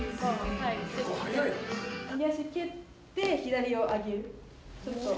右足蹴って左足を上げる。